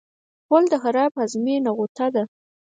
غول د خراب هاضمې نغوته ده.